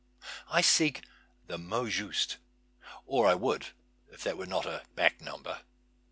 I seek the mot juste. Or I would if that were not a back number.